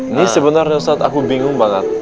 ini sebenarnya saat aku bingung banget